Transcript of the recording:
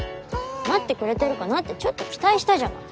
待ってくれてるかなってちょっと期待したじゃない。